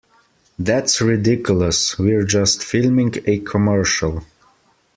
That's ridiculous, we're just filming a commercial.